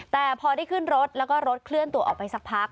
แต่พอได้ขึ้นรถแล้วก็รถเคลื่อนตัวออกไปสักพัก